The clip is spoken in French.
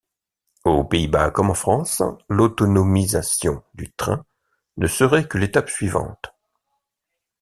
Aux Pays-Bas, comme en France, l'autonomisation du train ne serait que l'étape suivante.